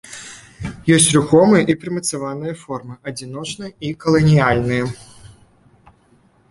Ёсць рухомыя і прымацаваныя формы, адзіночныя і каланіяльныя.